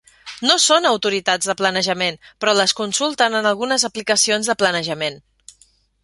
No són autoritats de planejament, però les consulten en algunes aplicacions de planejament.